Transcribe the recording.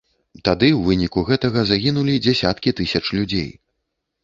Тады ў выніку гэтага загінулі дзясяткі тысяч людзей.